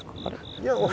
いや。